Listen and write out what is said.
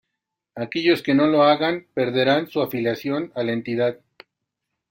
Aquellos que no lo hagan perderán su afiliación a la entidad.